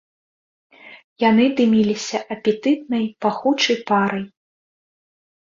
Яны дыміліся апетытнай пахучай парай.